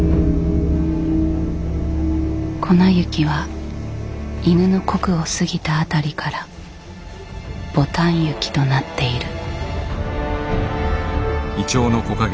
粉雪は戌の刻を過ぎた辺りから牡丹雪となっている。